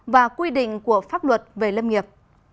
và quy định của pháp luật về lâm nghiệp